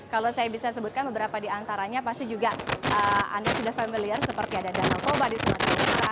kalau saya bisa sebutkan beberapa di antaranya pasti juga anda sudah familiar seperti ada danau toba di sumatera